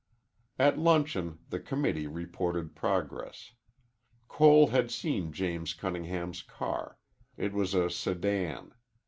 At luncheon the committee reported progress. Cole had seen James Cunningham's car. It was a sedan.